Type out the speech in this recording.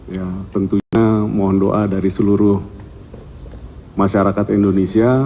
ya tentunya mohon doa dari seluruh masyarakat indonesia